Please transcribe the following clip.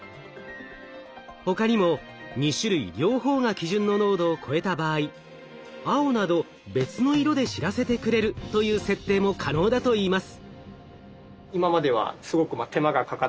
他にも２種類両方が基準の濃度を超えた場合青など別の色で知らせてくれるという設定も可能だといいます。